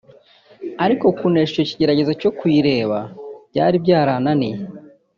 ariko kunesha icyo kigeragezo cyo kuyireba byari byarananiye